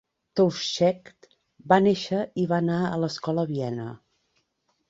Touschek va néixer i va anar a l'escola a Viena.